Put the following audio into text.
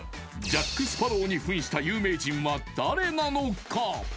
ジャック・スパロウに扮した有名人は誰なのか？